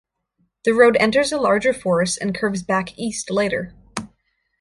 The road enters a larger forest and curves back east later.